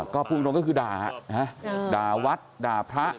ก็พูดตรงก็คือด่าด่าวัดด่าพระ